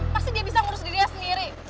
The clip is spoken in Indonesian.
pasti dia bisa ngurus dirinya sendiri